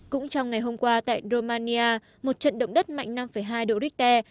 cũng trong ngày hôm qua tại romania một trận động đất mạnh năm hai độ richter